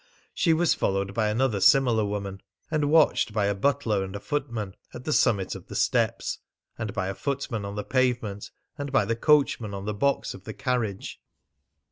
She was followed by another similar woman, and watched by a butler and a footman at the summit of the steps, and by a footman on the pavement, and by the coachman on the box of the carriage.